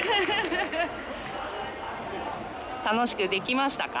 楽しくできましたか？